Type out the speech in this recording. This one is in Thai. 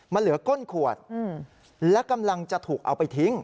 มันเหลือก้นขวดและกำลังจะถูกเอาไปทิ้ง